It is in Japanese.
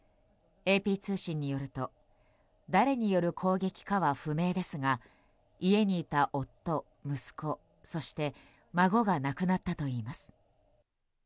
ＡＰ通信によると誰による攻撃かは不明ですが家にいた夫、息子、そして孫が亡くなったといいます。